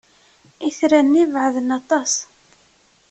Itran-nni beɛden aṭas.